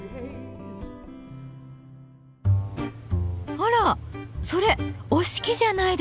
あらそれ折敷じゃないですか。